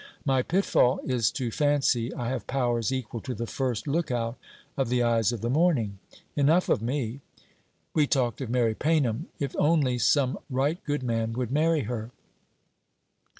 My pitfall is to fancy I have powers equal to the first look out of the eyes of the morning. Enough of me. We talked of Mary Paynham. If only some right good man would marry her!'